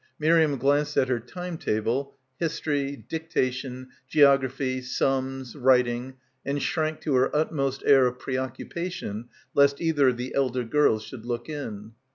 Mir iam glanced at her time table, history — dictation — geography — sums — writing — and shrank to her utmost air of preoccupation lest either of the elder girls should look in.